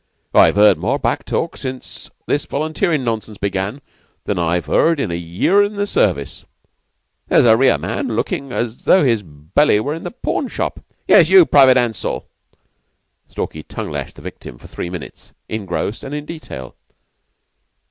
"I've heard more back talk since this volunteerin' nonsense began than I've heard in a year in the service." "There's a rear rank man lookin' as though his belly were in the pawn shop. Yes, you, Private Ansell," and Stalky tongue lashed the victim for three minutes, in gross and in detail.